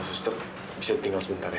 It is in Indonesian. suster bisa tinggal sebentar ya